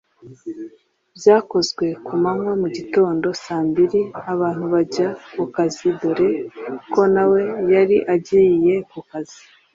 Byakozwe ku manywa mu gitondo saa mbili abantu bajya kukazi dore ko nawe yari agiye ku kazi